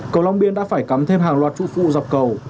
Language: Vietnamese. cầu long biên đã phải cắm thêm hàng loạt trụ phụ dọc cầu